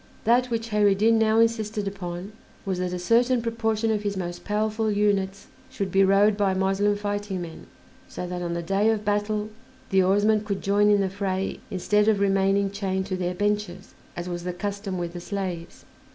That which Kheyr ed Din now insisted upon was that a certain proportion of his most powerful units should be rowed by Moslem fighting men, so that on the day of battle the oarsmen could join in the fray instead of remaining chained to their benches, as was the custom with the slaves.